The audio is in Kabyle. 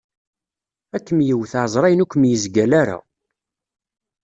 Ad kem-yewwet, ɛezṛayen ur kem-yezgal ara.